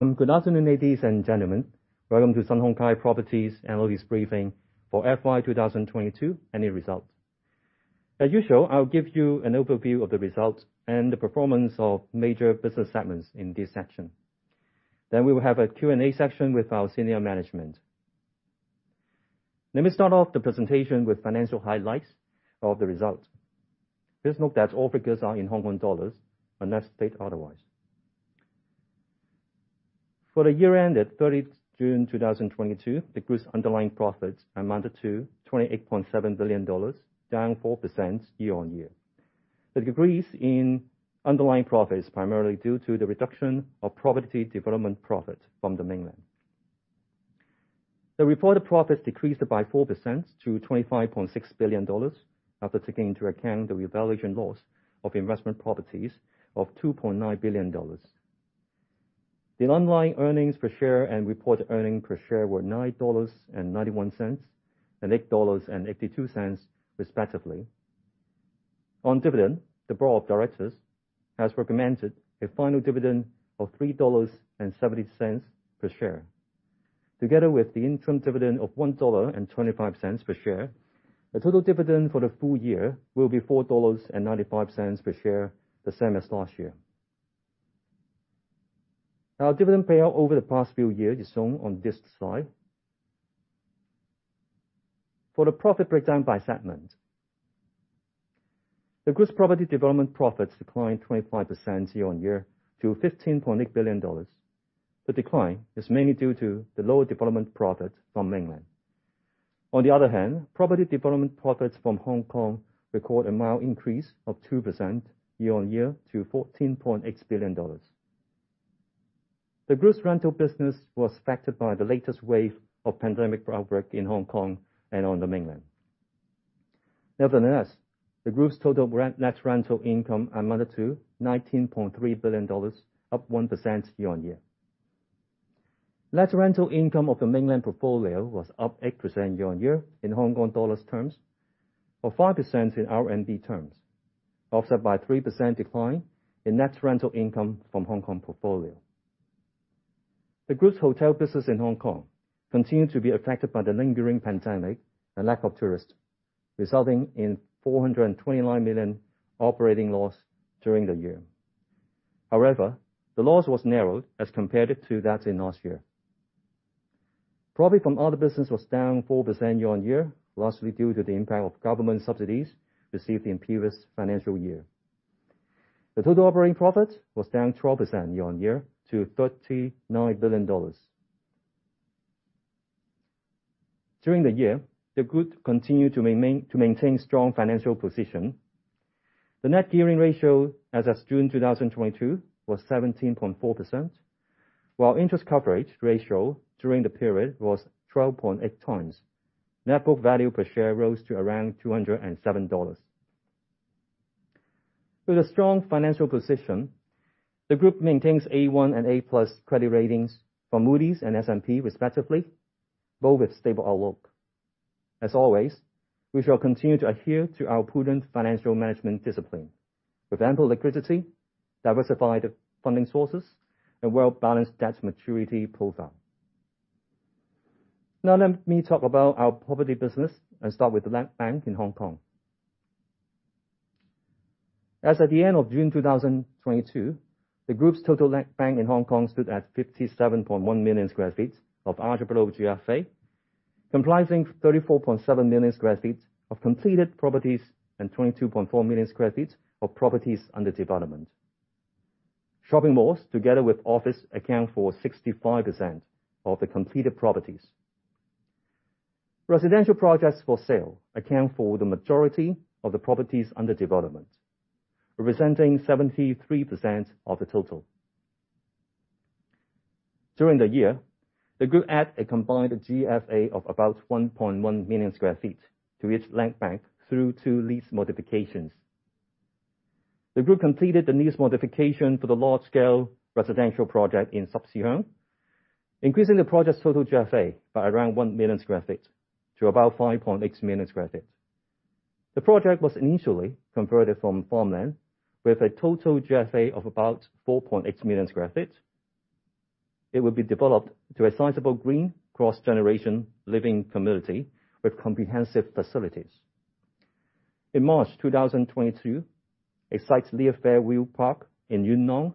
Good afternoon, ladies and gentlemen. Welcome to Sun Hung Kai Properties Analysts' Briefing for FY 2022 Annual Result. As usual, I'll give you an overview of the results and the performance of major business segments in this section. Then we will have a Q&A session with our senior management. Let me start off the presentation with financial highlights of the result. Please note that all figures are in Hong Kong dollars unless stated otherwise. For the year-end at 30th June 2022, the group's underlying profits amounted to 28.7 billion dollars, down 4% year-over-year. The decrease in underlying profits primarily due to the reduction of property development profit from the mainland. The reported profits decreased by 4% to 25.6 billion dollars, after taking into account the revaluation loss of investment properties of 2.9 billion dollars. The underlying earnings per share and reported earnings per share were 9.91 dollars and 8.82 dollars respectively. On dividend, the Board of Directors has recommended a final dividend of 3.70 dollars per share. Together with the interim dividend of 1.25 dollar per share, the total dividend for the full year will be 4.95 dollars per share, the same as last year. Our dividend payout over the past few years is shown on this slide. For the profit breakdown by segment. The group's property development profits declined 25% year-on-year to 15.8 billion dollars. The decline is mainly due to the lower development profit from mainland. On the other hand, property development profits from Hong Kong record a mild increase of 2% year-on-year to 14.8 billion dollars. The group's rental business was affected by the latest wave of pandemic outbreak in Hong Kong and on the mainland. Nevertheless, the group's total rent, net rental income amounted to 19.3 billion dollars, up 1% year-on-year. Net rental income of the mainland portfolio was up 8% year-on-year in Hong Kong dollars terms, or 5% in RMB terms, offset by 3% decline in net rental income from Hong Kong portfolio. The group's hotel business in Hong Kong continued to be affected by the lingering pandemic and lack of tourists, resulting in 429 million operating loss during the year. However, the loss was narrowed as compared to that in last year. Profit from other business was down 4% year-on-year, largely due to the impact of government subsidies received in previous financial year. The total operating profit was down 12% year-on-year to 39 billion dollars. During the year, the group continued to maintain strong financial position. The net gearing ratio as of June 2022 was 17.4%, while interest coverage ratio during the period was 12.8x. Net book value per share rose to around 207 dollars. With a strong financial position, the group maintains A1 and A+ credit ratings from Moody's and S&P respectively, both with stable outlook. As always, we shall continue to adhere to our prudent financial management discipline with ample liquidity, diversified funding sources, and well-balanced debt maturity profile. Now let me talk about our property business and start with the land bank in Hong Kong. As at the end of June 2022, the group's total land bank in Hong Kong stood at 57.1 million sq ft of attributable GFA, comprising 34.7 million sq ft of completed properties and 22.4 million sq ft of properties under development. Shopping malls together with offices account for 65% of the completed properties. Residential projects for sale account for the majority of the properties under development, representing 73% of the total. During the year, the group added a combined GFA of about 1.1 million sq ft to its land bank through two lease modifications. The group completed the lease modification for the large scale residential project in Tsui Ping, increasing the project's total GFA by around 1 million sq ft to about 5.8 million sq ft. The project was initially converted from farmland with a total GFA of about 4.8 million sq ft. It will be developed to a sizable green cross-generation living community with comprehensive facilities. In March 2022, a site near Fairview Park in Yuen Long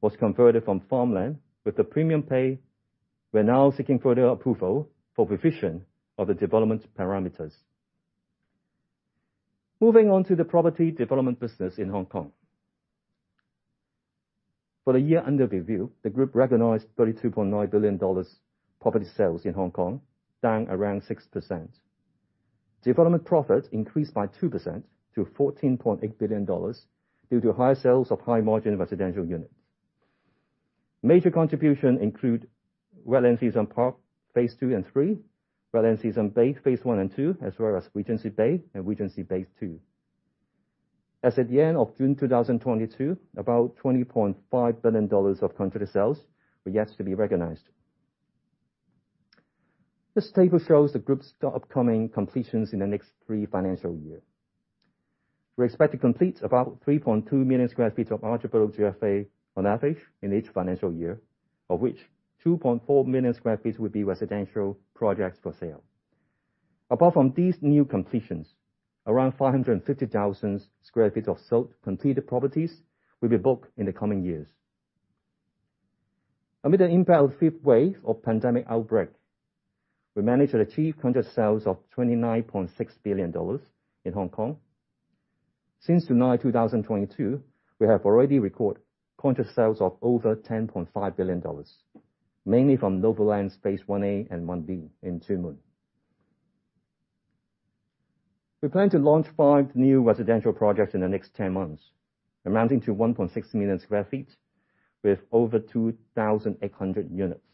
was converted from farmland with the premium paid. We're now seeking further approval for revision of the development parameters. Moving on to the property development business in Hong Kong. For the year under review, the group recognized 32.9 billion dollars property sales in Hong Kong, down around 6%. Development profit increased by 2% to 14.8 billion dollars due to higher sales of high-margin residential units. Major contributions include [Wellington] Park Phase 2 and Phase 3, [Wellington] Bay Phase 1 and Phase 2, as well as Regency Bay and Regency Bay II. As at the end of June 2022, about 20.5 billion dollars of contract sales were yet to be recognized. This table shows the group's upcoming completions in the next three financial year. We expect to complete about 3.2 million sq ft of eligible GFA on average in each financial year, of which 2.4 million sq ft will be residential projects for sale. Apart from these new completions, around 550,000 sq ft of sold completed properties will be booked in the coming years. Amid an impact of fifth wave of pandemic outbreak, we managed to achieve contract sales of 29.6 billion dollars in Hong Kong. Since July 2022, we have already recorded contract sales of over 10.5 billion dollars, mainly from NOVO LAND Phase 1A and 1B in Tuen Mun. We plan to launch five new residential projects in the next 10 months, amounting to 1.6 million sq ft with over 2,800 units.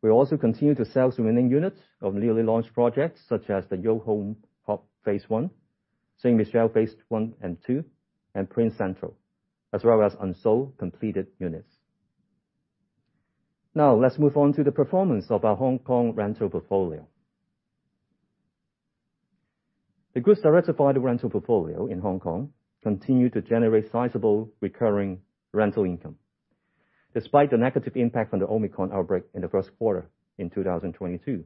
We also continue to sell remaining units of newly launched projects such as The YOHO Home Hub Phase 1, St. Michel Phase 1 and 2, and Prince Central, as well as unsold completed units. Now, let's move on to the performance of our Hong Kong rental portfolio. The group's diversified rental portfolio in Hong Kong continued to generate sizable recurring rental income, despite the negative impact from the Omicron outbreak in the first quarter in 2022.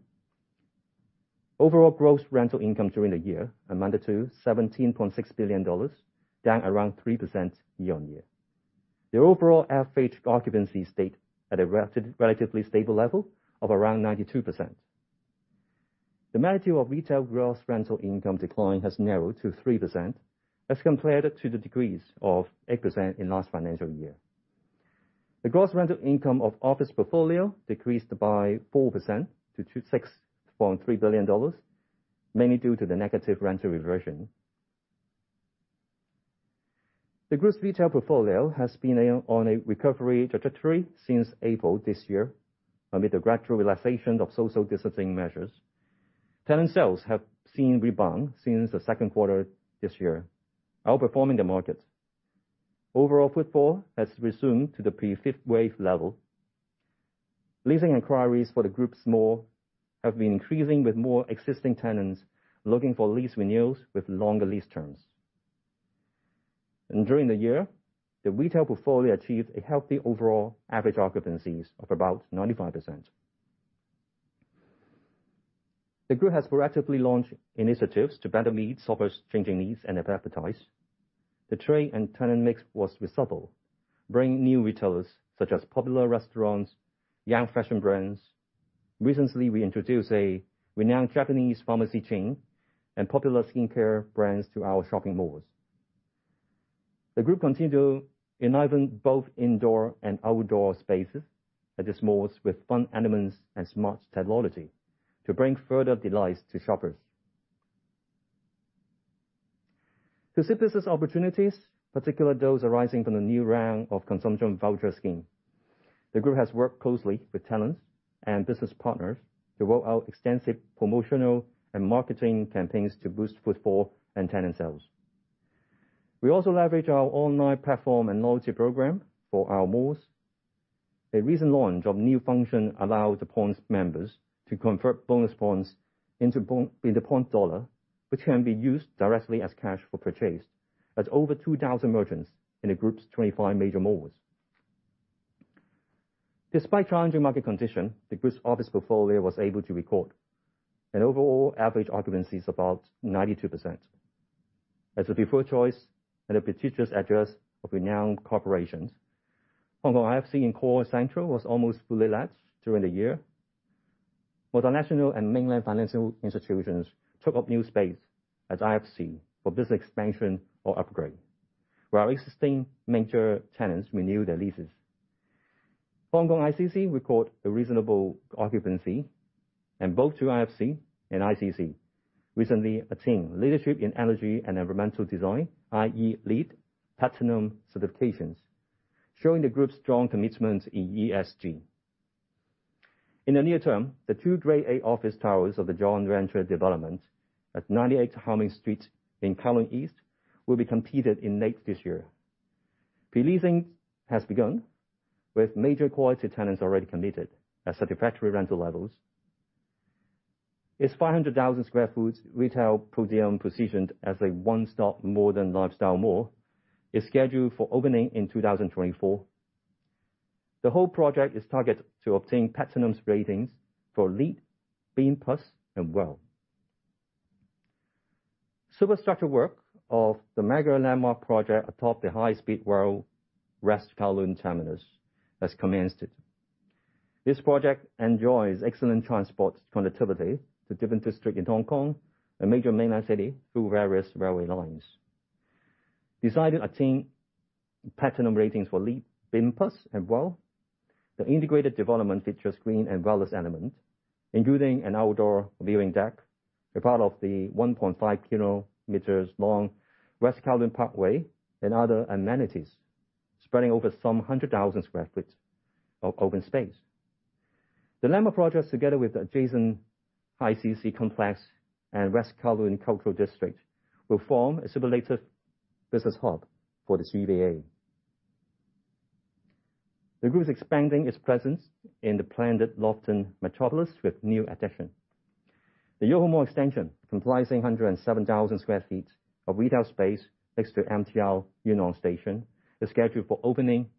Overall, gross rental income during the year amounted to 17.6 billion dollars, down around 3% year-on-year. The overall average occupancy stayed at a relatively stable level of around 92%. The magnitude of retail gross rental income decline has narrowed to 3% as compared to the decrease of 8% in last financial year. The gross rental income of office portfolio decreased by 4% to 6.3 billion dollars, mainly due to the negative rental reversion. The group's retail portfolio has been on a recovery trajectory since April this year, amid the gradual relaxation of social distancing measures. Tenant sales have seen rebound since the second quarter this year, outperforming the market. Overall footfall has resumed to the pre-fifth wave level. Leasing inquiries for the group's mall have been increasing with more existing tenants looking for lease renewals with longer lease terms. During the year, the retail portfolio achieved a healthy overall average occupancies of about 95%. The group has proactively launched initiatives to better meet shoppers' changing needs and appetite. The trade and tenant mix was reshuffled, bringing new retailers such as popular restaurants, young fashion brands. Recently, we introduced a renowned Japanese pharmacy chain and popular skincare brands to our shopping malls. The group continue enliven both indoor and outdoor spaces at its malls with fun elements and smart technology to bring further delights to shoppers. To seize business opportunities, particularly those arising from the new round of consumption voucher scheme, the group has worked closely with tenants and business partners to roll out extensive promotional and marketing campaigns to boost footfall and tenant sales. We also leverage our online platform and loyalty program for our malls. A recent launch of new function allow the points members to convert bonus points into point dollar, which can be used directly as cash for purchase at over 2,000 merchants in the group's 25 major malls. Despite challenging market condition, the group's office portfolio was able to record an overall average occupancy of about 92%. As a preferred choice and a prestigious address of renowned corporations, Two IFC and Core Central were almost fully let during the year. Multinational and mainland financial institutions took up new space at IFC for business expansion or upgrade, while existing major tenants renewed their leases. Hong Kong ICC recorded a reasonable occupancy, and both Two IFC and ICC recently attained Leadership in Energy and Environmental Design, i.e. LEED, platinum certifications, showing the group's strong commitment in ESG. In the near term, the two Grade A office towers of the joint venture development at 98 How Ming Street in Kowloon East will be completed in late this year. Pre-leasing has begun, with major quality tenants already committed at satisfactory rental levels. Its 500,000 sq ft retail podium, positioned as a one-stop more than lifestyle mall, is scheduled for opening in 2024. The whole project is targeted to obtain platinum ratings for LEED, BEAM Plus, and WELL. Superstructure work of the mega landmark project atop the high-speed rail West Kowloon Terminus has commenced. This project enjoys excellent transport connectivity to different district in Hong Kong and major mainland city through various railway lines. Designed to attain platinum ratings for LEED, BEAM Plus, and WELL, the integrated development features green and wellness element, including an outdoor viewing deck, a part of the 1.5 km long West Kowloon Parkway, and other amenities spreading over some 100,000 sq ft of open space. The landmark projects together with adjacent ICC Complex and West Kowloon Cultural District will form an ultimate business hub for the GBA. The group is expanding its presence in the planned Northern Metropolis with new addition. The YOHO MIX extension, comprising 107,000 sq ft of retail space next to MTR Yuen Long Station, is scheduled for opening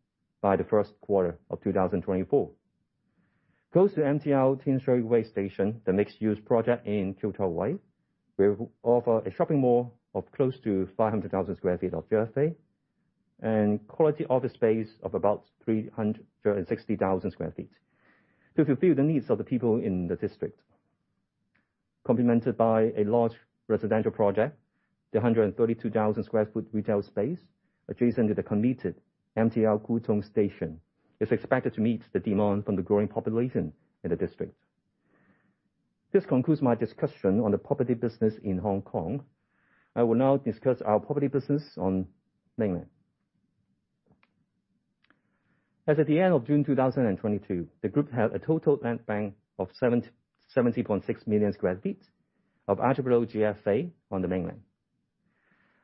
by the first quarter of 2024. Close to MTR Tin Shui Wai Station, the mixed use project in Kwu Tung, will offer a shopping mall of close to 500,000 sq ft of GFA, and quality office space of about 360,000 sq ft to fulfill the needs of the people in the district. Complemented by a large residential project, the 132,000 sq ft retail space adjacent to the committed MTR Kwu Tung Station is expected to meet the demand from the growing population in the district. This concludes my discussion on the property business in Hong Kong. I will now discuss our property business on the mainland. As at the end of June 2022, the group had a total land bank of 70.6 million sq ft of attributable GFA on the mainland.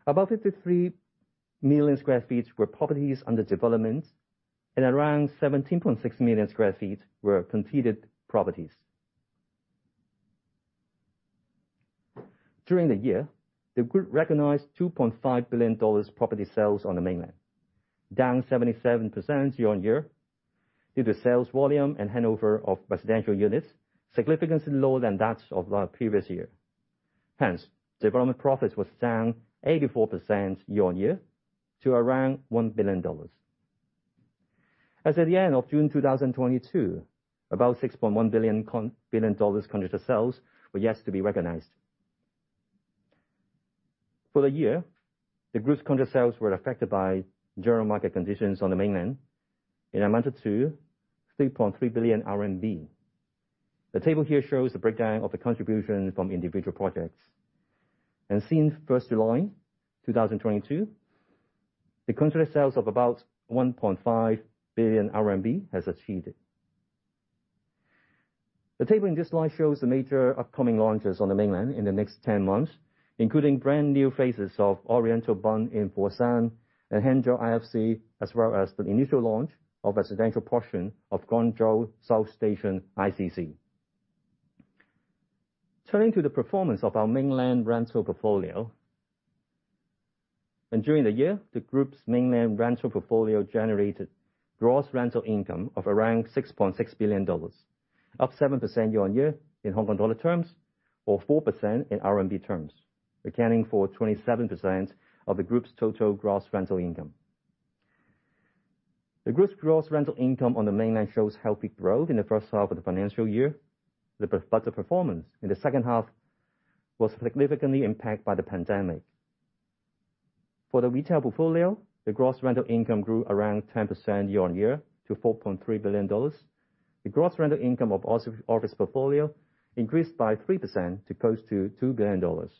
About 53 million sq ft were properties under development, and around 17.6 million sq ft were completed properties. During the year, the group recognized 2.5 billion dollars property sales on the mainland, down 77% year-on-year, due to sales volume and handover of residential units significantly lower than that of the previous year. Hence, development profits was down 84% year-on-year to around 1 billion dollars. As at the end of June 2022, about 6.1 billion dollars contract sales were yet to be recognized. For the year, the group's contract sales were affected by general market conditions on the mainland, and amounted to 3.3 billion RMB. The table here shows the breakdown of the contribution from individual projects. Since July 1, 2022, the contract sales of about 1.5 billion RMB has achieved. The table in this slide shows the major upcoming launches on the mainland in the next ten months, including brand new phases of Oriental Bund in Foshan and Hangzhou IFC, as well as the initial launch of residential portion of Guangzhou South Station ICC. Turning to the performance of our mainland rental portfolio. During the year, the group's mainland rental portfolio generated gross rental income of around 6.6 billion dollars, up 7% year-on-year in Hong Kong dollar terms or 4% in RMB terms, accounting for 27% of the group's total gross rental income. The group's gross rental income on the mainland shows healthy growth in the first half of the financial year. But the performance in the second half was significantly impacted by the pandemic. For the retail portfolio, the gross rental income grew around 10% year-on-year to 4.3 billion dollars. The gross rental income of office portfolio increased by 3% to close to 2 billion dollars.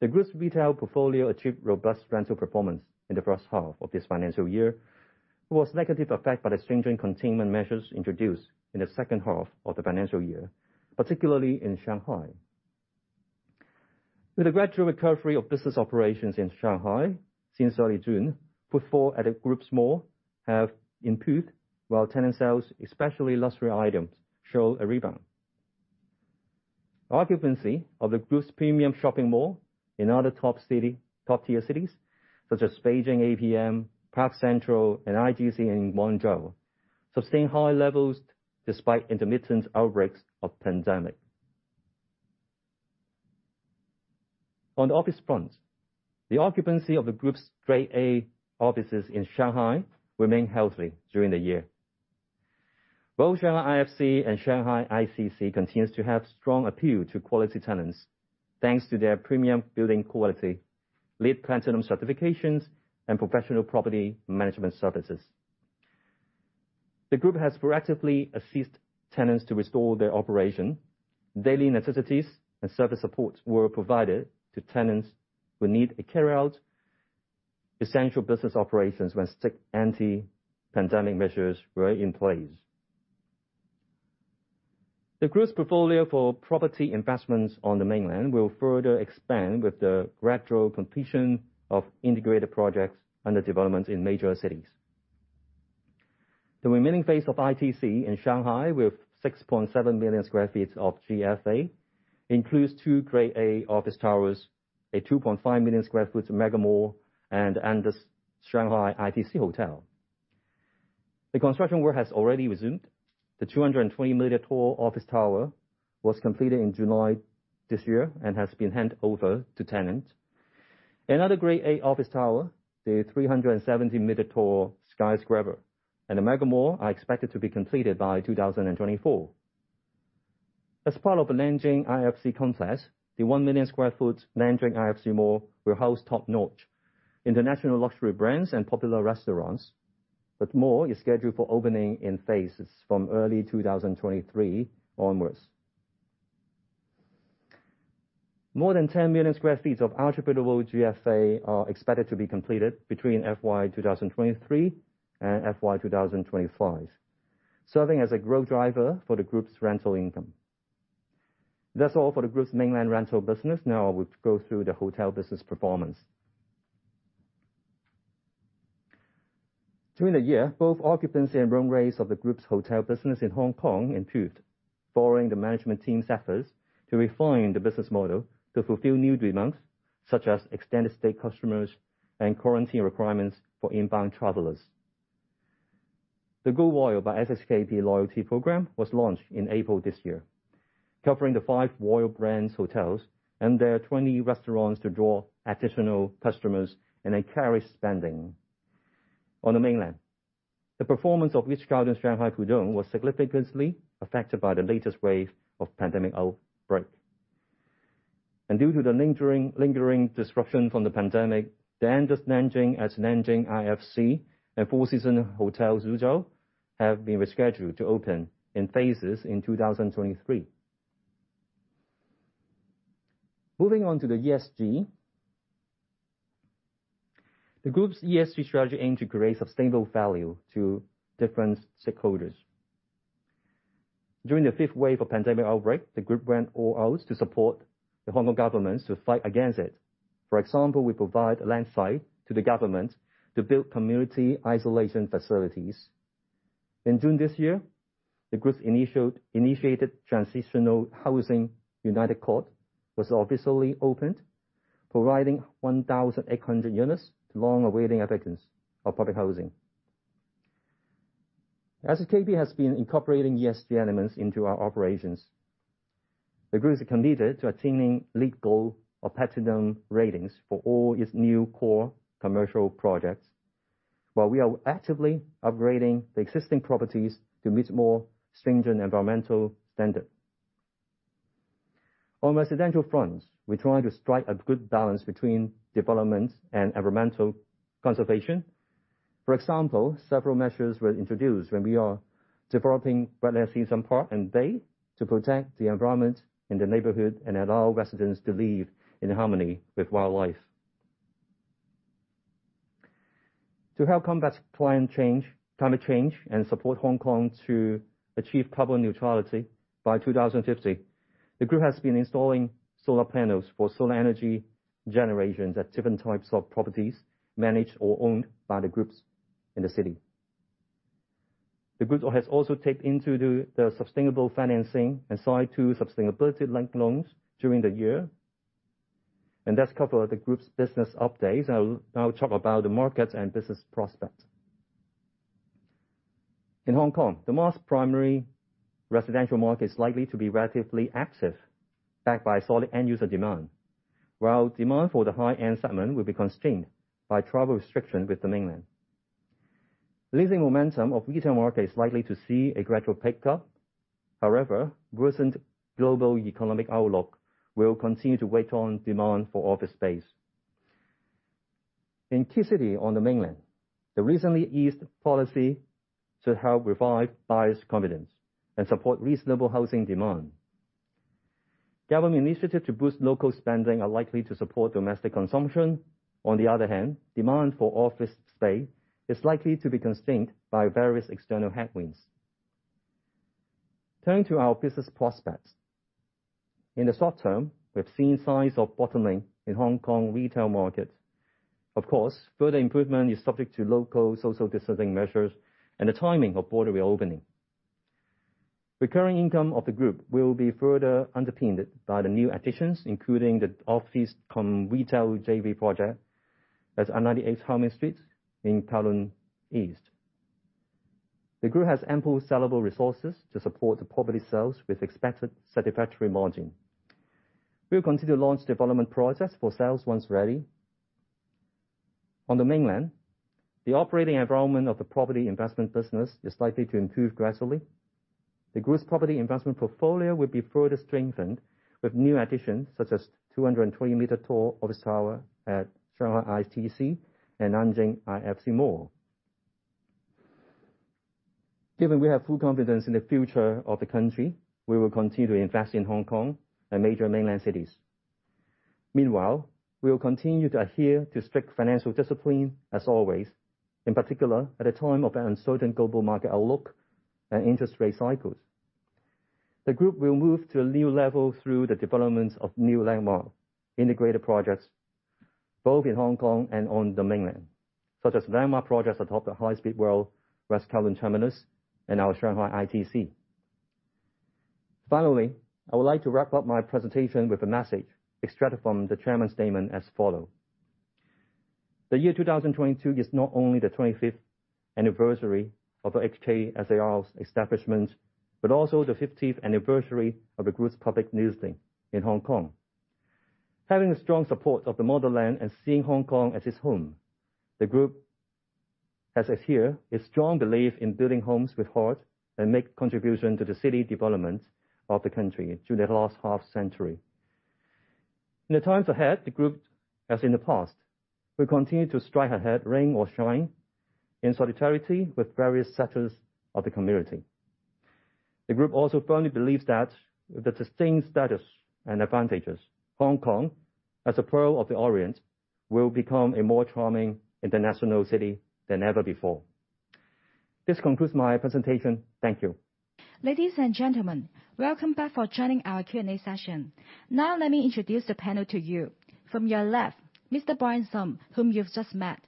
The group's retail portfolio achieved robust rental performance in the first half of this financial year, which was negatively affected by the stringent containment measures introduced in the second half of the financial year, particularly in Shanghai. With the gradual recovery of business operations in Shanghai since early June, footfall at the group's malls have improved, while tenant sales, especially luxury items, show a rebound. Occupancy of the group's premium shopping malls in other top-tier cities such as Beijing APM, Parc Central, and IGC in Guangzhou sustains high levels despite intermittent outbreaks of the pandemic. On the office front, the occupancy of the group's Grade A offices in Shanghai remains healthy during the year. Both Shanghai IFC and Shanghai ICC continue to have strong appeal to quality tenants, thanks to their premium building quality, LEED Platinum certifications, and professional property management services. The group has proactively assisted tenants to restore their operation. Daily necessities and service support were provided to tenants who need to carry out essential business operations when strict anti-pandemic measures were in place. The group's portfolio for property investments on the mainland will further expand with the gradual completion of integrated projects under development in major cities. The remaining phase of ITC in Shanghai with 6.7 million sq ft of GFA includes two grade A office towers, a 2.5 million sq ft mega mall, and the Shanghai ITC Hotel. The construction work has already resumed. The 220-meter tall office tower was completed in July this year and has been handed over to tenant. Another grade A office tower, the 370-meter tall skyscraper, and a mega mall are expected to be completed by 2024. As part of the Nanjing IFC complex, the 1 million sq ft Nanjing IFC Mall will house top-notch international luxury brands and popular restaurants, with more, it's scheduled for opening in phases from early 2023 onwards. More than 10 million sq ft of attributable GFA are expected to be completed between FY 2023 and FY 2025, serving as a growth driver for the group's rental income. That's all for the group's mainland rental business. Now I will go through the hotel business performance. During the year, both occupancy and room rates of the group's hotel business in Hong Kong improved, following the management team's efforts to refine the business model to fulfill new demands, such as extended stay customers and quarantine requirements for inbound travelers. The Go Royal by SHKP loyalty program was launched in April this year, covering the five Royal brands hotels and their 20 restaurants to draw additional customers and encourage spending. On the mainland, the performance of East Garden Shanghai Pudong was significantly affected by the latest wave of pandemic outbreak. Due to the lingering disruption from the pandemic, the Andaz Nanjing at Nanjing IFC and Four Seasons Hotel Suzhou have been rescheduled to open in phases in 2023. Moving on to the ESG. The group's ESG strategy aim to create sustainable value to different stakeholders. During the fifth wave of pandemic outbreak, the group went all out to support the Hong Kong government to fight against it. For example, we provide a land site to the government to build community isolation facilities. In June this year, the group initiated transitional housing. United Court was officially opened, providing 1,800 units to long-awaiting applicants of public housing. SHKP has been incorporating ESG elements into our operations. The group is committed to attaining LEED Gold or Platinum ratings for all its new core commercial projects, while we are actively upgrading the existing properties to meet more stringent environmental standard. On residential fronts, we try to strike a good balance between development and environmental conservation. For example, several measures were introduced when we are developing Wetland Seasons Park and Bay to protect the environment and the neighborhood and allow residents to live in harmony with wildlife. To help combat climate change and support Hong Kong to achieve carbon neutrality by 2050, the group has been installing solar panels for solar energy generation at different types of properties managed or owned by the group in the city. The group has also tapped into the sustainable financing and signed two sustainability-linked loans during the year. That covers the group's business updates. I'll now talk about the markets and business prospects. In Hong Kong, the mass residential market is likely to be relatively active, backed by solid end-user demand, while demand for the high-end segment will be constrained by travel restrictions with the mainland. Leasing momentum of the retail market is likely to see a gradual pickup. However, worsened global economic outlook will continue to weigh on demand for office space. In Qixing on the mainland, the recently eased policy to help revive buyers' confidence and support reasonable housing demand. Government initiative to boost local spending are likely to support domestic consumption. On the other hand, demand for office space is likely to be constrained by various external headwinds. Turning to our business prospects. In the short term, we have seen signs of bottoming in Hong Kong retail market. Of course, further improvement is subject to local social distancing measures and the timing of border reopening. Recurring income of the group will be further underpinned by the new additions, including the office cum retail JV project at 98 How Ming Street in Kowloon East. The group has ample sellable resources to support the property sales with expected satisfactory margin. We'll continue to launch development process for sales once ready. On the mainland, the operating environment of the property investment business is likely to improve gradually. The group's property investment portfolio will be further strengthened with new additions such as 220-meter-tall office tower at Shanghai ITC and Nanjing IFC Mall. Given we have full confidence in the future of the country, we will continue to invest in Hong Kong and major mainland cities. Meanwhile, we will continue to adhere to strict financial discipline as always, in particular at a time of uncertain global market outlook and interest rate cycles. The group will move to a new level through the developments of new landmark integrated projects, both in Hong Kong and on the mainland, such as landmark projects atop the High Speed Rail West Kowloon Terminus and our Shanghai ITC. Finally, I would like to wrap up my presentation with a message extracted from the chairman's statement as follows. The year 2022 is not only the 25th anniversary of HKSAR's establishment, but also the 50th anniversary of the group's public listing in Hong Kong. Having the strong support of the motherland and seeing Hong Kong as its home, the group, as always, has a strong belief in building homes with heart and making contributions to the development of the city and the country through the last half-century. In the times ahead, the group, as in the past, will continue to strike ahead, rain or shine, in solidarity with various sectors of the community. The group also firmly believes that with the sustained status and advantages, Hong Kong, as a pearl of the Orient, will become a more charming international city than ever before. This concludes my presentation. Thank you. Ladies and gentlemen, welcome back for joining our Q&A session. Now, let me introduce the panel to you. From your left, Mr. Brian Sum, whom you've just met.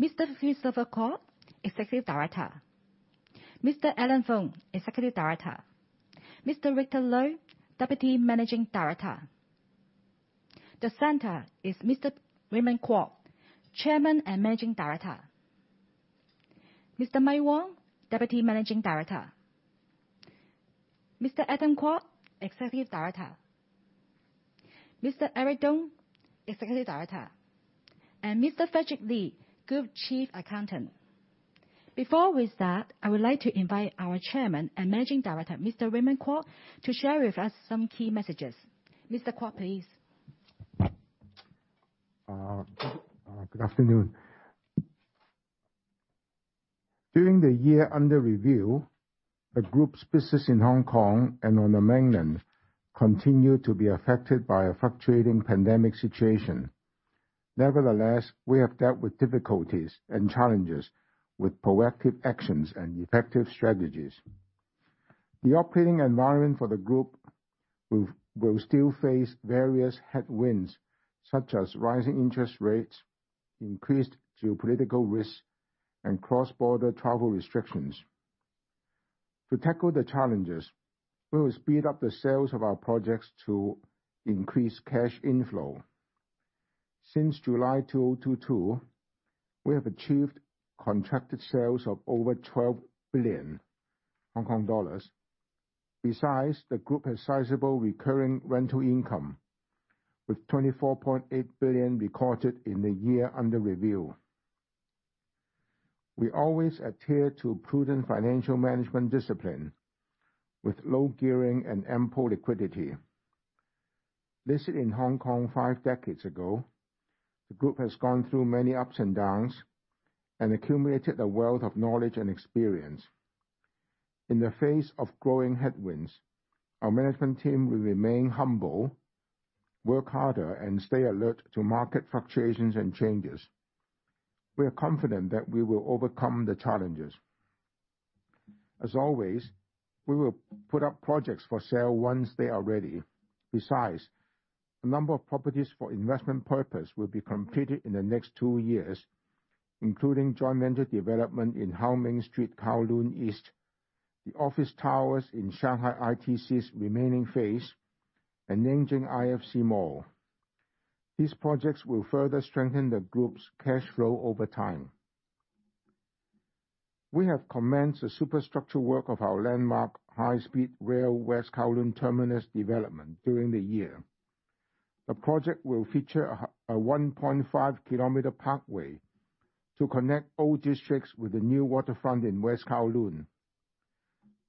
[Mr. Hugh Silvercroft], Executive Director. Mr. Allen Fung, Executive Director. Mr. Victor Lui, Deputy Managing Director. The center is Mr. Raymond Kwok, Chairman and Managing Director. Mr. Mike Wong, Deputy Managing Director. Mr. Adam Kwok, Executive Director. Mr. Eric Tung, Executive Director, and Mr. Frederick Li, Group Chief Accountant. Before we start, I would like to invite our Chairman and Managing Director, Mr. Raymond Kwok, to share with us some key messages. Mr. Kwok, please. Good afternoon. During the year under review, the group's business in Hong Kong and on the mainland continued to be affected by a fluctuating pandemic situation. Nevertheless, we have dealt with difficulties and challenges with proactive actions and effective strategies. The operating environment for the group will still face various headwinds, such as rising interest rates, increased geopolitical risks, and cross-border travel restrictions. To tackle the challenges, we will speed up the sales of our projects to increase cash inflow. Since July 2022, we have achieved contracted sales of over 12 billion Hong Kong dollars. Besides, the group has sizable recurring rental income with 24.8 billion recorded in the year under review. We always adhere to prudent financial management discipline with low gearing and ample liquidity. Listed in Hong Kong five decades ago, the group has gone through many ups and downs and accumulated a wealth of knowledge and experience. In the face of growing headwinds, our management team will remain humble, work harder, and stay alert to market fluctuations and changes. We are confident that we will overcome the challenges. As always, we will put up projects for sale once they are ready. Besides, a number of properties for investment purpose will be completed in the next two years, including joint venture development in How Ming Street, Kowloon East, the office towers in Shanghai IFC's remaining phase, and Nanjing IFC Mall. These projects will further strengthen the group's cash flow over time. We have commenced the superstructure work of our landmark high-speed rail West Kowloon Terminus development during the year. The project will feature a 1.5-kilometer pathway to connect old districts with the new waterfront in West Kowloon,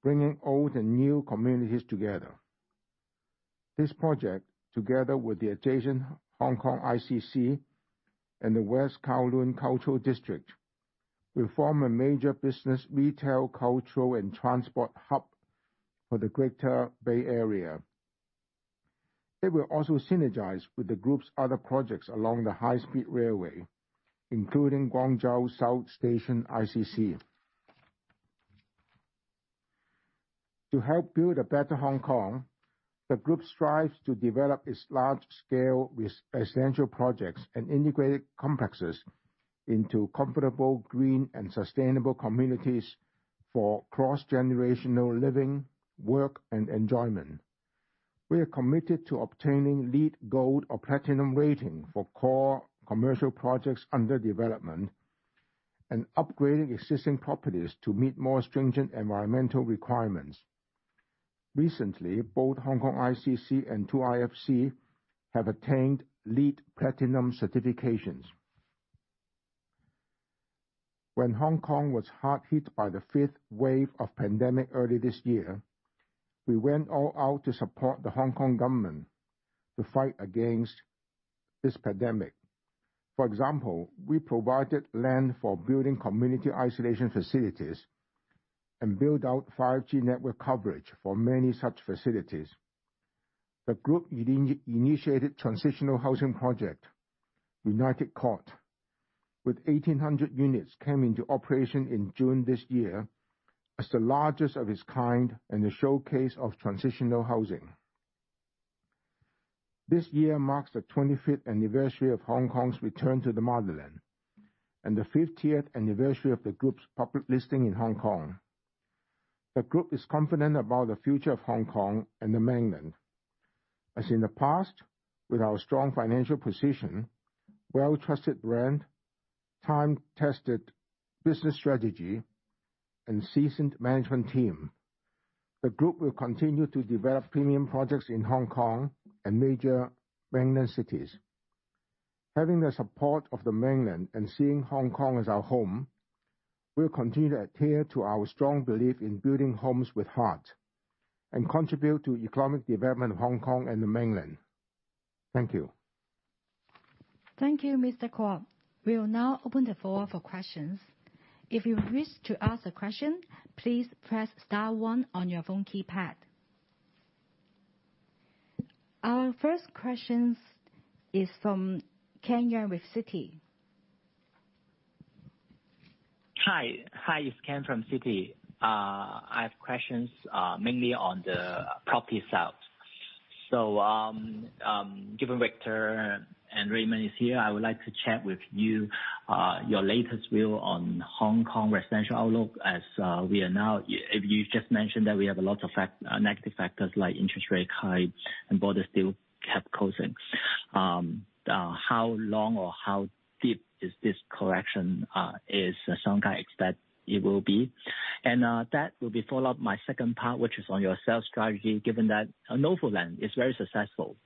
bringing old and new communities together. This project, together with the adjacent Hong Kong ICC and the West Kowloon Cultural District, will form a major business, retail, cultural, and transport hub for the Greater Bay Area. It will also synergize with the group's other projects along the high-speed railway, including Guangzhou South Station ICC. To help build a better Hong Kong, the group strives to develop its large-scale residential projects and integrated complexes into comfortable, green, and sustainable communities for cross-generational living, work, and enjoyment. We are committed to obtaining LEED Gold or Platinum rating for core commercial projects under development and upgrading existing properties to meet more stringent environmental requirements. Recently, both Hong Kong ICC and Two IFC have attained LEED Platinum certifications. When Hong Kong was hard hit by the 5th wave of pandemic early this year, we went all out to support the Hong Kong government to fight against this pandemic. For example, we provided land for building community isolation facilities and build out 5G network coverage for many such facilities. The group initiated transitional housing project, United Court, with 1,800 units, came into operation in June this year as the largest of its kind and a showcase of transitional housing. This year marks the 25th anniversary of Hong Kong's return to the mainland and the 50th anniversary of the group's public listing in Hong Kong. The group is confident about the future of Hong Kong and the mainland. As in the past, with our strong financial position, well-trusted brand, time-tested business strategy, and seasoned management team, the group will continue to develop premium projects in Hong Kong and major mainland cities. Having the support of the mainland and seeing Hong Kong as our home, we will continue to adhere to our strong belief in building homes with heart and contribute to economic development of Hong Kong and the mainland. Thank you. Thank you, Mr. Kwok. We will now open the floor for questions. If you wish to ask a question, please press star one on your phone keypad. Our first question is from Ken Yeung with Citi. Hi, it's Ken from Citi. I have questions, mainly on the property sales. Given Victor and Raymond is here, I would like to chat with you about your latest view on Hong Kong residential outlook as we are now. You just mentioned that we have a lot of factors, negative factors like interest rate hike and borders still kept closed. How long or how deep is this correction? What kind do you expect it will be? That will be followed by my second part, which is on your sales strategy, given that NOVO LAND is very successful.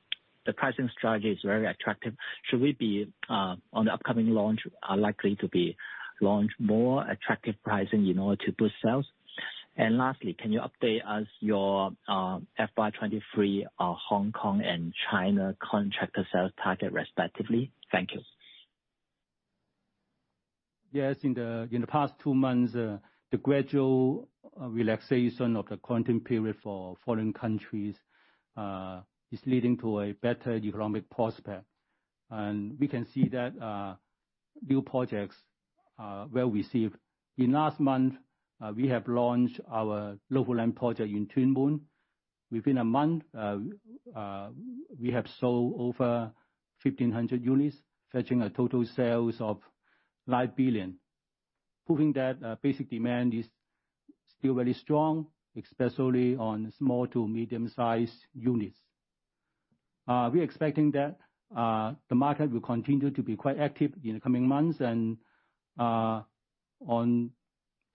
The pricing strategy is very attractive. Should we be on the upcoming launches or likely to be launched more attractive pricing in order to boost sales? Lastly, can you update us your FY 23 Hong Kong and China contractor sales target respectively? Thank you. Yes, in the past two months, the gradual relaxation of the quarantine period for foreign countries is leading to a better economic prospect. We can see that new projects are well received. In last month, we have launched our local land project in Tuen Mun. Within a month, we have sold over 1,500 units, fetching a total sales of 9 billion, proving that basic demand is still very strong, especially on small to medium-sized units. We are expecting that the market will continue to be quite active in the coming months and on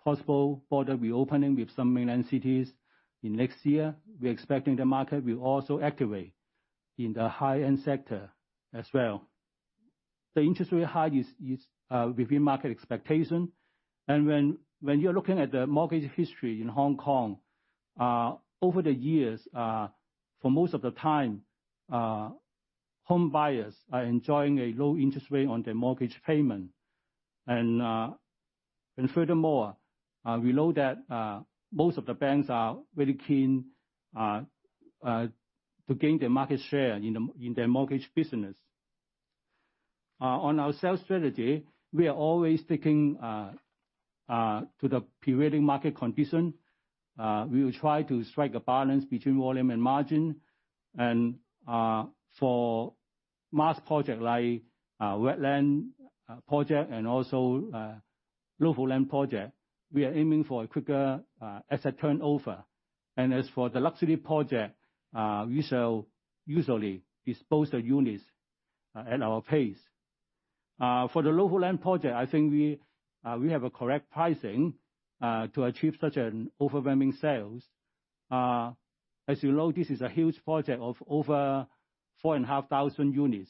possible border reopening with some mainland cities in next year. We are expecting the market will also activate in the high-end sector as well. The interest rate hike is within market expectation. When you are looking at the mortgage history in Hong Kong, over the years, for most of the time, home buyers are enjoying a low interest rate on their mortgage payment. Furthermore, we know that most of the banks are really keen to gain their market share in the mortgage business. On our sales strategy, we are always sticking to the prevailing market condition. We will try to strike a balance between volume and margin. For mass project like Wetland project and also local land project, we are aiming for a quicker asset turnover. As for the luxury project, we usually dispose the units at our pace. For the local land project, I think we have a correct pricing to achieve such an overwhelming sales. As you know, this is a huge project of over 4,500 units.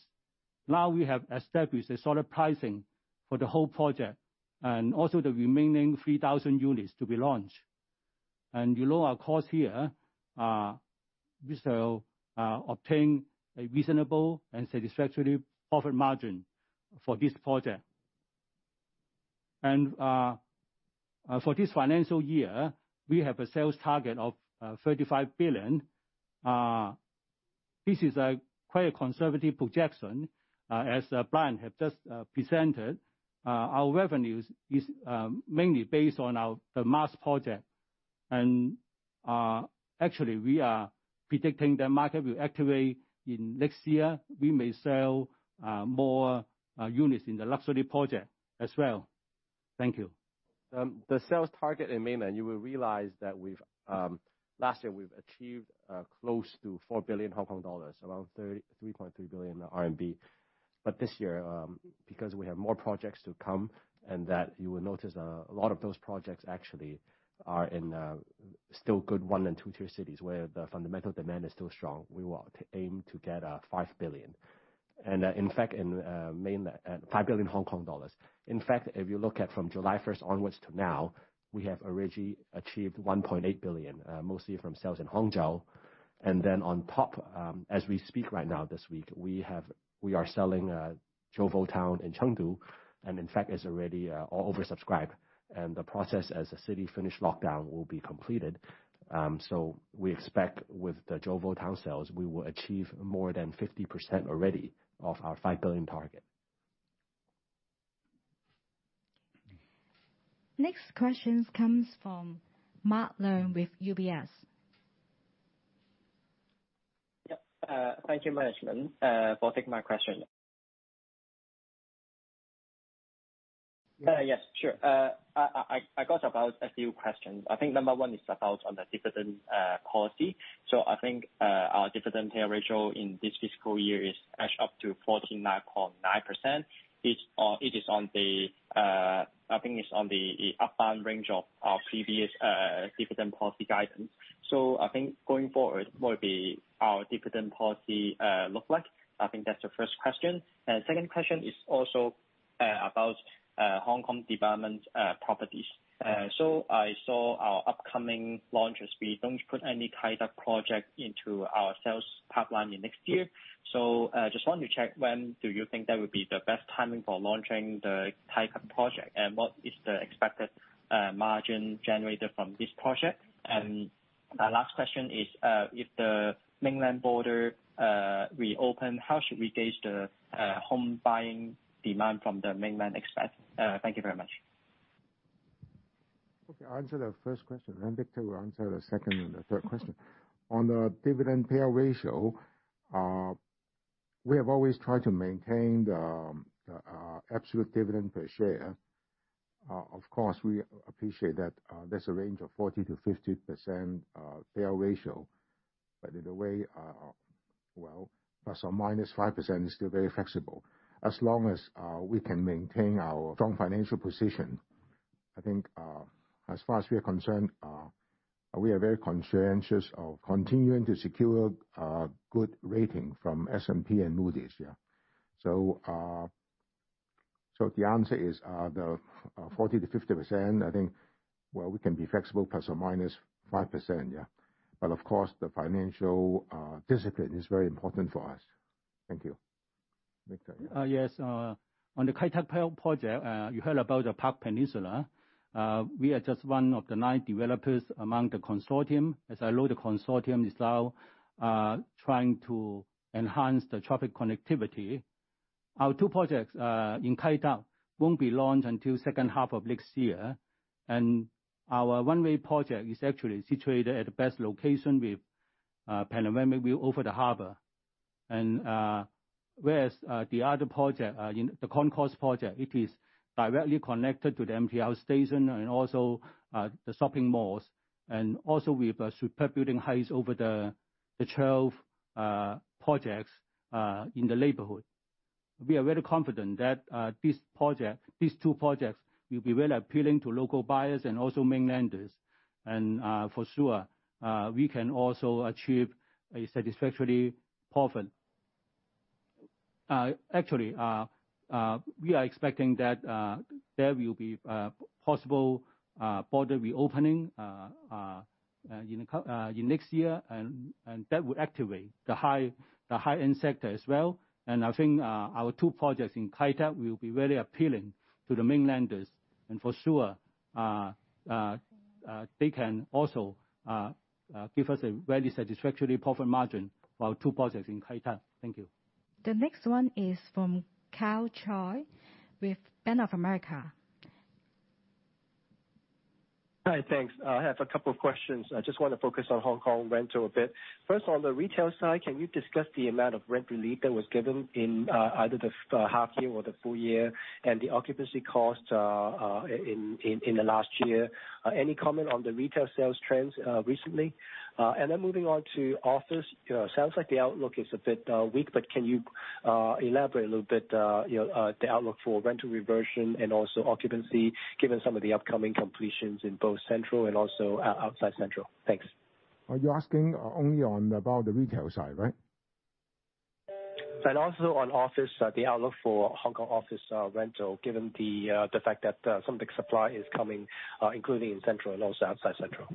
Now we have established a solid pricing for the whole project and also the remaining 3,000 units to be launched. You know our costs here, obtain a reasonable and satisfactory profit margin for this project. For this financial year, we have a sales target of 35 billion. This is quite a conservative projection as Brian have just presented. Our revenues is mainly based on our, the mass project. Actually, we are predicting the market will activate in next year. We may sell more units in the luxury project as well. Thank you. The sales target in mainland, you will realize that we've last year we've achieved close to 4 billion Hong Kong dollars, around 33.3 billion RMB. This year, because we have more projects to come and that you will notice a lot of those projects actually are in still good one and two-tier cities where the fundamental demand is still strong. We want to aim to get 5 billion. In mainland, 5 billion Hong Kong dollars. In fact, if you look at from July first onwards to now, we have already achieved 1.8 billion, mostly from sales in Hangzhou. On top, as we speak right now this week, we are selling Jovo Town in Chengdu, and in fact, it's already oversubscribed. The process as the city finish lockdown will be completed. We expect with the Jovo Town sales, we will achieve more than 50% already of our 5 billion target. Next question comes from Mark Leung with UBS. Thank you management for taking my question. Yes. Sure. I got about a few questions. I think number one is about on the dividend policy. I think our dividend payout ratio in this fiscal year is actually up to 49.9%. It is on the upper range of our previous dividend policy guidance. I think going forward, what will be our dividend policy look like? I think that's the first question. Second question is also about Hong Kong development properties. I saw our upcoming launches. We don't put any Kai Tak project into our sales pipeline in next year. Just want to check when do you think that would be the best timing for launching the Kai Tak project, and what is the expected margin generated from this project? My last question is, if the mainland border reopen, how should we gauge the home-buying demand from the mainland Chinese? Thank you very much. Okay, answer the first question, then Victor will answer the second and the third question. On the dividend payout ratio, we have always tried to maintain the absolute dividend per share. Of course, we appreciate that there's a range of 40%-50% payout ratio, but in a way, well, ±5% is still very flexible. As long as we can maintain our strong financial position, I think, as far as we are concerned, we are very conscientious of continuing to secure good rating from S&P and Moody's. Yeah. The answer is the 40%-50%, I think, well, we can be flexible ±5%, yeah. But of course, the financial discipline is very important for us. Thank you. Victor. Yes. On the Kai Tak project, you heard about the Park Peninsula. We are just one of the nine developers among the consortium. As I know, the consortium is now trying to enhance the traffic connectivity. Our two projects in Kai Tak won't be launched until second half of next year. Our One Way project is actually situated at the best location with panoramic view over the harbor. Whereas, the other project in the Concourse project, it is directly connected to the MTR station and also the shopping malls. Also with super building heights over the 12 projects in the neighborhood. We are very confident that this project these two projects will be very appealing to local buyers and also mainlanders. For sure, we can also achieve a satisfactory profit. Actually, we are expecting that there will be possible border reopening in next year, and that will activate the high-end sector as well. I think our two projects in Kai Tak will be very appealing to the mainlanders, and for sure they can also give us a very satisfactory profit margin for our two projects in Kai Tak. Thank you. The next one is from Karl Choi with Bank of America. Hi, thanks. I have a couple of questions. I just wanna focus on Hong Kong rental a bit. First, on the retail side, can you discuss the amount of rent relief that was given in either the half-year or the full year, and the occupancy costs in the last year? Any comment on the retail sales trends recently? Moving on to office. Sounds like the outlook is a bit weak, but can you elaborate a little bit the outlook for rental reversion and also occupancy, given some of the upcoming completions in both Central and also outside Central? Thanks. Are you asking only about the retail side, right? Also on office, the outlook for Hong Kong office rental, given the fact that some big supply is coming, including in Central and also outside Central.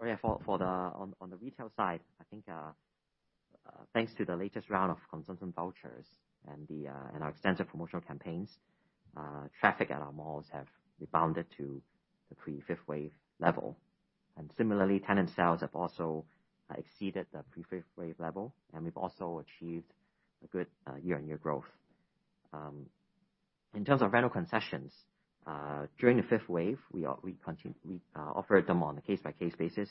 On the retail side, I think, thanks to the latest round of consumption vouchers and the and our extensive promotional campaigns, traffic at our malls have rebounded to the pre-fifth wave level. Similarly, tenant sales have also exceeded the pre-fifth wave level. We've also achieved a good year-on-year growth. In terms of rental concessions, during the fifth wave, we offered them on a case-by-case basis,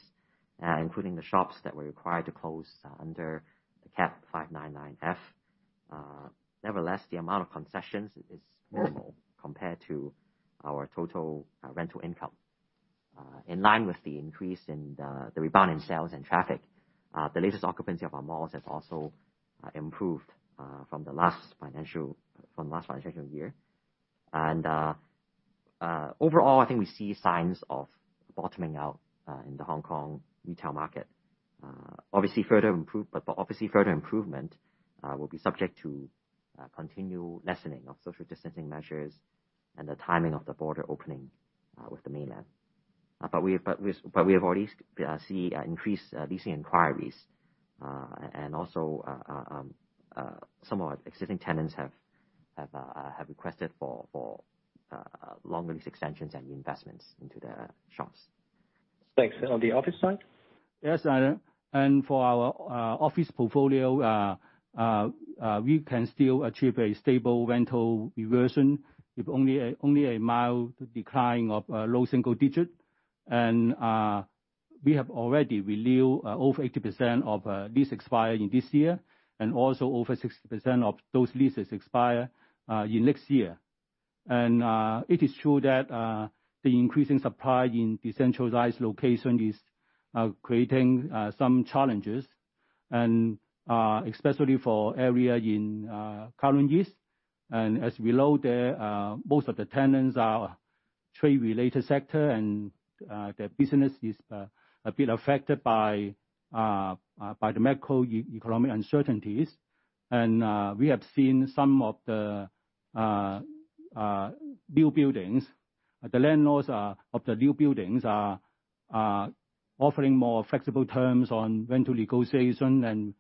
including the shops that were required to close under the Cap. 599F. Nevertheless, the amount of concessions is minimal compared to our total rental income. In line with the increase in the rebound in sales and traffic, the latest occupancy of our malls has also improved from the last financial year. Overall, I think we see signs of bottoming out in the Hong Kong retail market. Obviously further improvement will be subject to continued lessening of social distancing measures and the timing of the border opening with the mainland. We have already seen increased leasing inquiries. Some of existing tenants have requested for longer lease extensions and investments into their shops. Thanks. On the office side? Yes. For our office portfolio, we can still achieve a stable rental reversion with only a mild decline of low-single-digit. We have already renewed over 80% of leases expiring in this year, and also over 60% of those leases expiring in next year. It is true that the increasing supply in decentralized locations is creating some challenges, especially for areas in Kowloon East. As we know, most of the tenants are trade-related sectors and their business is a bit affected by the macroeconomic uncertainties. We have seen some of the new buildings. The landlords of the new buildings are offering more flexible terms on rental negotiation and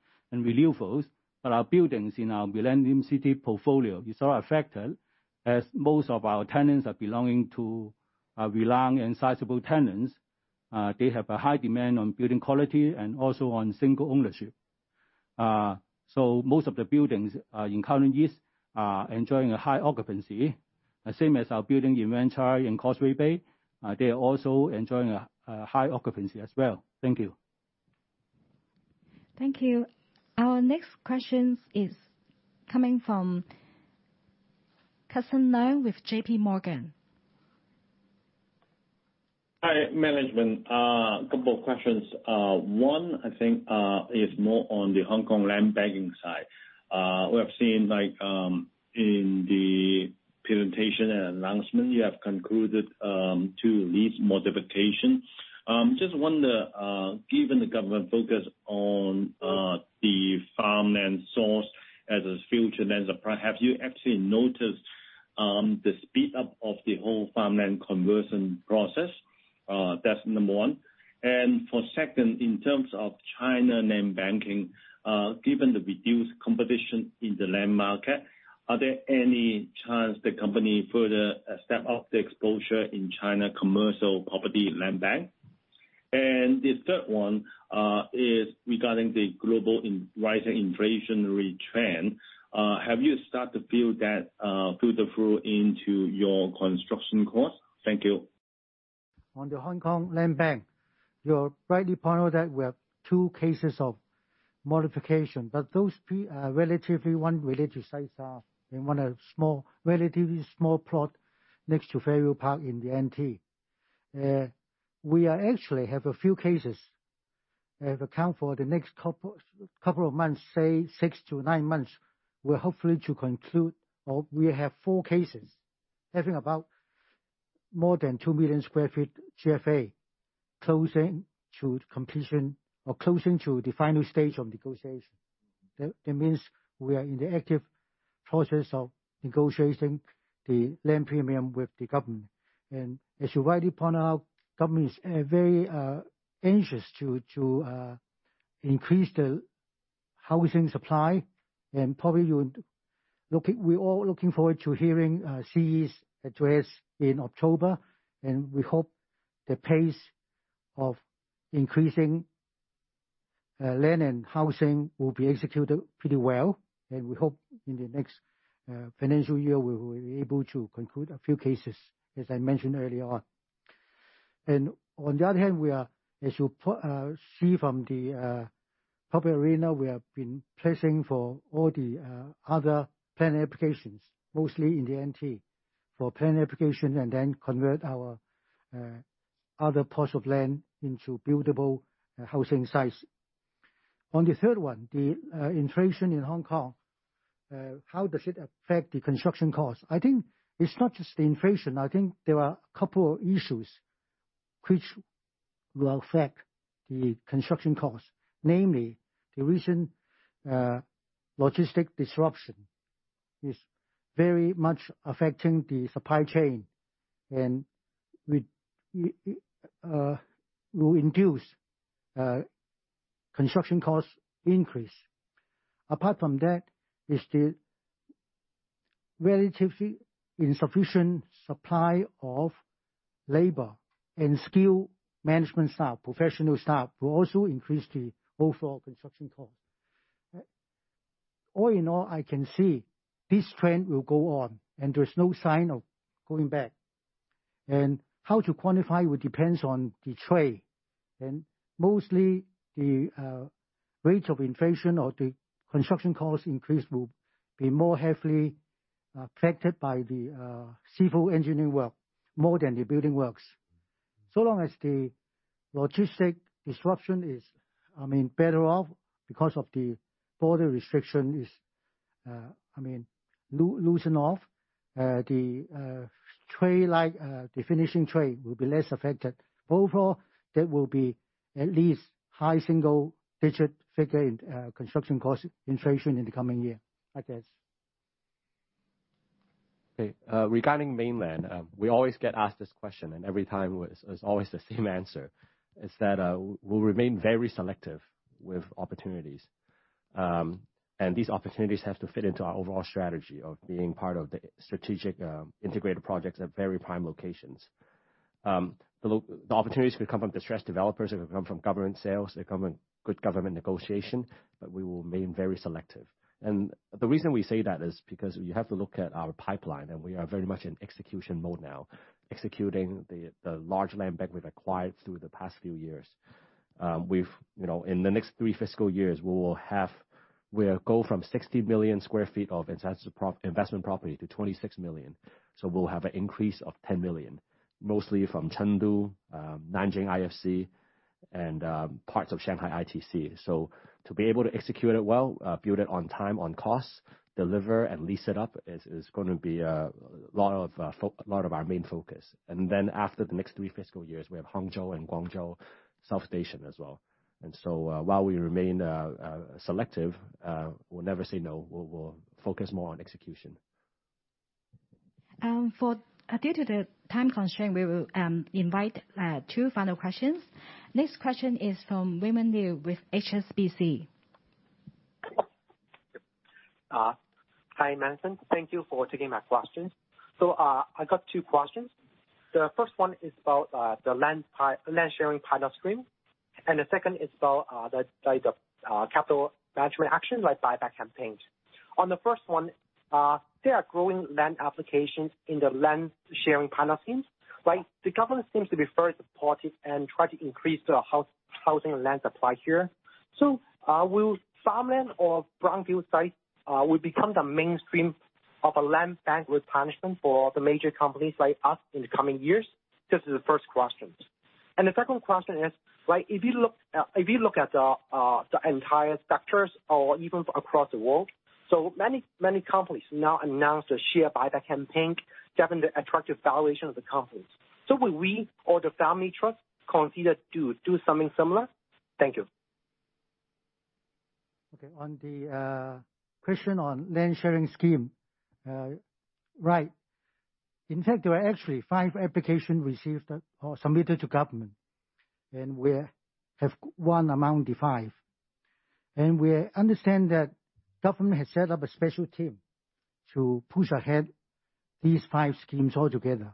renewals. Our buildings in our Millennium City portfolio is not affected, as most of our tenants are belonging to reliable and sizable tenants. They have a high demand on building quality and also on single ownership. Most of the buildings in Kowloon East are enjoying a high occupancy. The same as our building in V Point in Causeway Bay, they are also enjoying a high occupancy as well. Thank you. Thank you. Our next question is coming from Cusson Leung with JPMorgan. Hi, management. Couple of questions. One, I think, is more on the Hong Kong land banking side. We have seen like, in the presentation and announcement, you have concluded two lease modifications. Just wonder, given the government focus on the farmland source as a future, have you actually noticed the speed up of the whole farmland conversion process? That's number one. For second, in terms of China land banking, given the reduced competition in the land market, are there any chance the company further step up the exposure in China commercial property land bank? The third one is regarding the global rising inflationary trend, have you start to feel that through into your construction cost? Thank you. On the Hong Kong land bank, you have rightly pointed out that we have two cases of modification. Those three relatively small religious sites are in one small, relatively small plot next to Fairview Park in the NT. We actually have a few cases coming up in the next couple of months, say six-nine months, where we hope to conclude. We have four cases having more than 2 million sq ft GFA close to completion or close to the final stage of negotiation. That means we are in the active process of negotiating the land premium with the government. As you rightly point out, government is very anxious to increase the housing supply. Probably you would look at. We're all looking forward to hearing CE's address in October, and we hope the pace of increasing land and housing will be executed pretty well. We hope in the next financial year, we will be able to conclude a few cases, as I mentioned earlier on. On the other hand, we are, as you see from the public arena, we have been pressing for all the other plan applications, mostly in the NT, for plan application and then convert our other plots of land into buildable housing sites. On the third one, the inflation in Hong Kong, how does it affect the construction cost? I think it's not just the inflation. I think there are a couple of issues which will affect the construction cost. Namely, the recent logistic disruption is very much affecting the supply chain, and we will induce construction cost increase. Apart from that is the relatively insufficient supply of labor and skilled management staff, professional staff, will also increase the overall construction cost. All in all, I can see this trend will go on, and there's no sign of going back. How to quantify it depends on the trade. Mostly, the rates of inflation or the construction cost increase will be more heavily affected by the civil engineering work more than the building works. Long as the logistic disruption is, I mean, better off because of the border restriction is, I mean, loosened off, the trade like the finishing trade will be less affected. Overall, there will be at least high-single-digit figure in construction cost inflation in the coming year, I guess. Okay. Regarding mainland, we always get asked this question, and every time is always the same answer, is that we'll remain very selective with opportunities. These opportunities have to fit into our overall strategy of being part of the strategic integrated projects at very prime locations. The opportunities could come from distressed developers, they could come from government sales, they could come from good government negotiation, but we will remain very selective. The reason we say that is because you have to look at our pipeline, and we are very much in execution mode now, executing the large land bank we've acquired through the past few years. You know, in the next three fiscal years, we will have. We'll go from 60 million sq ft of investment property to 26 million sq ft. We'll have an increase of 10 million, mostly from Chengdu, Nanjing IFC, and parts of Shanghai IFC. To be able to execute it well, build it on time, on costs, deliver, and lease it up is gonna be a lot of our main focus. After the next three fiscal years, we have Hangzhou and Guangzhou South Station as well. While we remain selective, we'll never say no. We'll focus more on execution. Due to the time constraint, we will invite two final questions. Next question is from Wei Mun Liu with HSBC. Hi, Manson. Thank you for taking my questions. I got two questions. The first one is about the land sharing pilot scheme, and the second is about the capital management action, like buyback campaigns. On the first one, there are growing land applications in the land sharing pilot schemes, right? The government seems to be very supportive and try to increase the housing and land supply here. Will farmland or brownfield sites become the mainstream of a land bank with partnership for the major companies like us in the coming years? This is the first question. The second question is, like if you look at the entire sectors or even across the world, so many companies now announce a share buyback campaign, given the attractive valuation of the companies. So will we or the family trust consider to do something similar? Thank you. Okay. On the question on land sharing scheme. Right. In fact, there were actually five applications received or submitted to government, and we have one among the five. We understand that government has set up a special team to push ahead these five schemes altogether.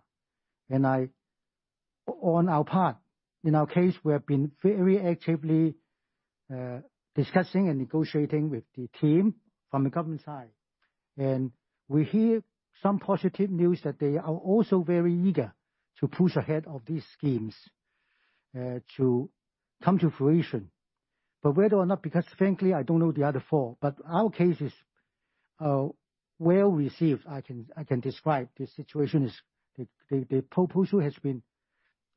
On our part, in our case, we have been very actively discussing and negotiating with the team from the government side. We hear some positive news that they are also very eager to push ahead of these schemes to come to fruition. But whether or not, because frankly, I don't know the other four, but our case is well-received, I can describe. The situation is the proposal has been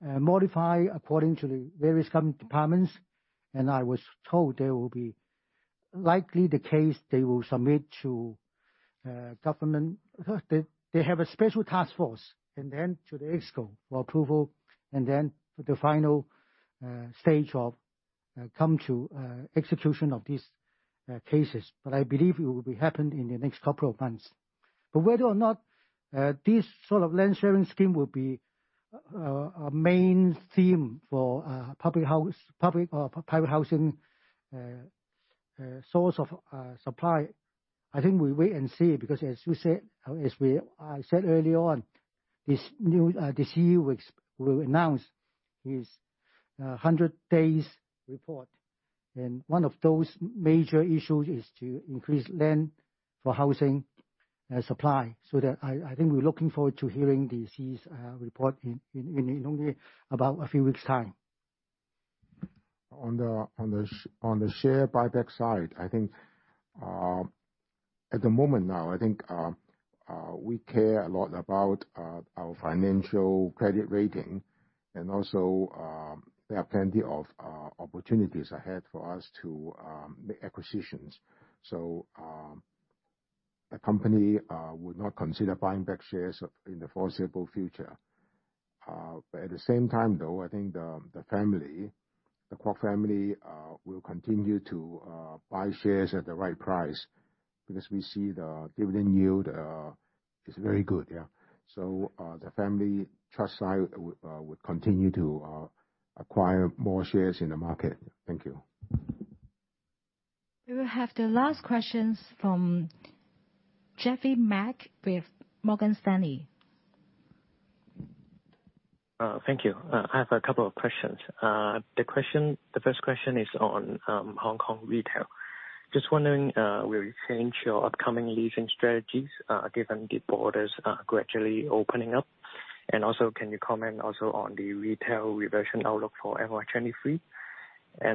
modified according to the various government departments, and I was told they will be likely the case they will submit to government. They have a special task force and then to the ExCo for approval and then for the final stage of come to execution of these cases. I believe it will be happened in the next couple of months. Whether or not this sort of land sharing scheme will be a main theme for public housing, public or private housing source of supply, I think we wait and see. Because as you said as we said earlier on, this new the CEO will announce his 100 days report. One of those major issues is to increase land for housing and supply. That I think we're looking forward to hearing the CEO's report in only about a few weeks' time. On the share buyback side, I think, at the moment now, I think, we care a lot about our financial credit rating, and also, there are plenty of opportunities ahead for us to make acquisitions. The company would not consider buying back shares in the foreseeable future. At the same time though, I think the family, the Kwok family, will continue to buy shares at the right price because we see the dividend yield is very good. Yeah. The family trust side would continue to acquire more shares in the market. Thank you. We will have the last questions from Jeffrey Mak with Morgan Stanley. Thank you. I have a couple of questions. The first question is on Hong Kong retail. Just wondering, will you change your upcoming leasing strategies, given the borders are gradually opening up? Also, can you comment also on the retail reversion outlook for FY 2023?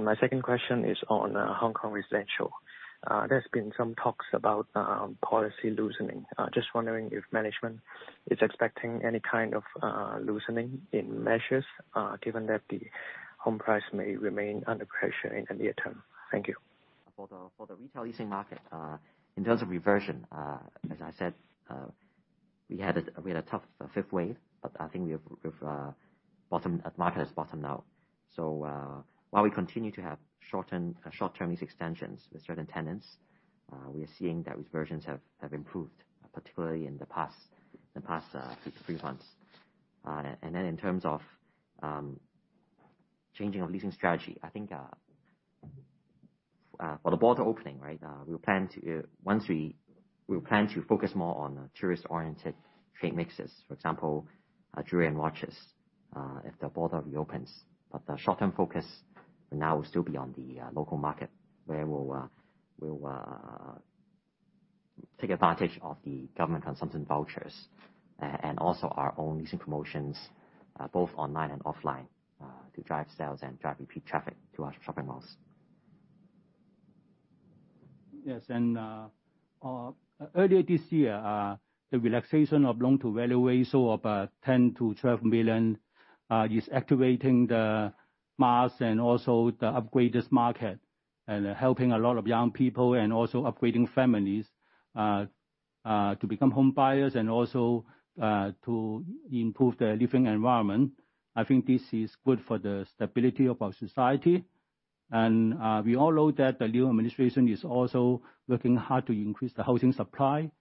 My second question is on Hong Kong residential. There's been some talks about policy loosening. Just wondering if management is expecting any kind of loosening in measures, given that the home price may remain under pressure in the near term. Thank you. For the retail leasing market, in terms of reversion, as I said, we had a tough fifth wave, but I think we've bottomed out. The market has bottomed out. While we continue to have short-term lease extensions with certain tenants, we are seeing that reversions have improved, particularly in the past three months. In terms of changing our leasing strategy, I think, for the border opening, right, we'll plan to focus more on tourist-oriented trade mixes, for example, jewelry and watches, if the border reopens. The short-term focus for now will still be on the local market, where we'll take advantage of the government consumption vouchers, and also our own leasing promotions, both online and offline, to drive sales and drive repeat traffic to our shopping malls. Yes. Earlier this year, the relaxation of loan-to-value ratio of 10 million-12 million is activating the mass and also the upgraders market, and helping a lot of young people and also upgrading families to become home buyers and also to improve their living environment. I think this is good for the stability of our society. We all know that the new administration is also working hard to increase the housing supply.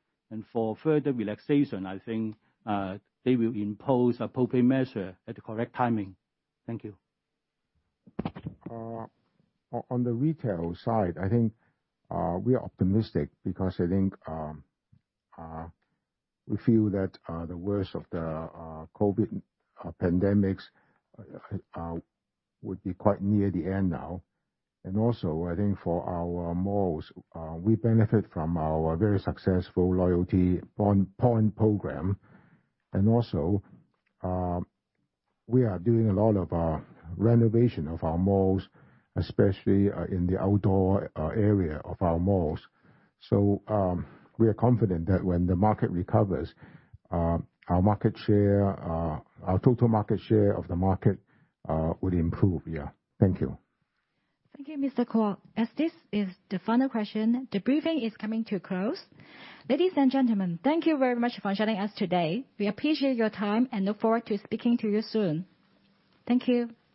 For further relaxation, I think they will impose appropriate measure at the correct timing. Thank you. On the retail side, I think we are optimistic because I think we feel that the worst of the COVID pandemic would be quite near the end now. Also, I think for our malls, we benefit from our very successful loyalty point programme. Also, we are doing a lot of renovation of our malls, especially in the outdoor area of our malls. We are confident that when the market recovers, our market share, our total market share of the market, will improve. Yeah. Thank you. Thank you, Mr. Kwok. As this is the final question, the briefing is coming to a close. Ladies and gentlemen, thank you very much for joining us today. We appreciate your time and look forward to speaking to you soon. Thank you.